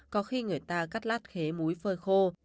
có khi người ta cắt lát khế múi phơi khô